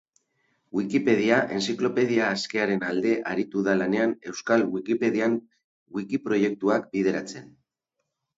Wikipedia, enziklopedia askearen alde aritu da lanean Euskal Wikipedian wikiproiktuak bideratzen.